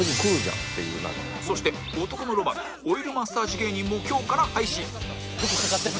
そして男のロマンオイルマッサージ芸人も今日から配信